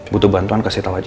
butuh bantuan kasih tahu aja